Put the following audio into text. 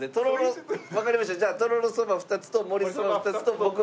じゃあとろろそば２つともりそば２つと僕は。